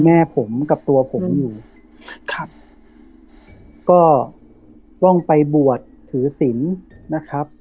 แม่ผมกับตัวผมอยู่ครับก็ต้องไปบวชถือศิลป์นะครับ